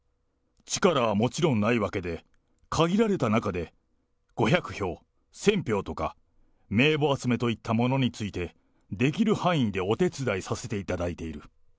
力はもちろんないわけで、限られた中で、５００票、１０００票とか、名簿集めといったものについて、できる範囲でお手伝いさせていただいている。